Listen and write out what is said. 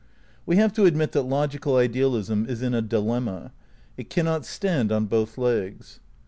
"We have to admit that logical idealism is in a dilemma. It cannot stand on both legs.